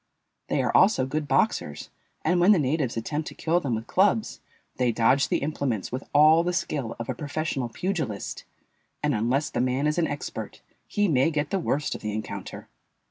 They are also good boxers, and when the natives attempt to kill them with clubs they dodge the implements with all the skill of a professional pugilist, and unless the man is an expert he may get the worst of the encounter.